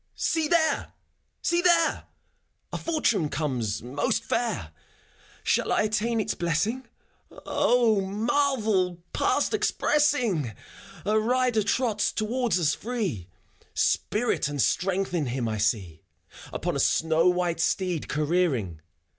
See there! See there! A fortune comes, most fair: Shall I attain its blessing f O, marvel past expressing! A rider trots towards us free : Spirit and strength in him I see, — Upon a snow white steed careering.